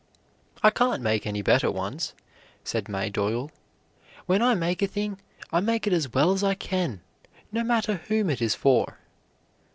"I can't make any better ones," said Maydole; "when I make a thing, I make it as well as I can, no matter whom it is for."